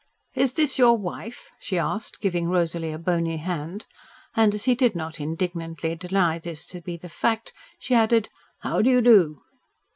"Is this your wife?" she asked, giving Rosalie a bony hand. And as he did not indignantly deny this to be the fact, she added, "How do you do?"